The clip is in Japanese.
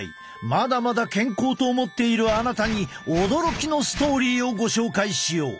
まだまだ健康と思っているあなたに驚きのストーリーをご紹介しよう。